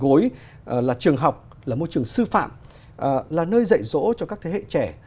câu hỏi đầu tiên thưa tiến sĩ là trường học là môi trường sư phạm là nơi dạy dỗ cho các thế hệ trẻ